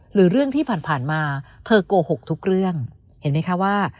หรือเรื่องที่ผ่านมาเธอโกหกทุกเรื่องเห็นไหมคะว่า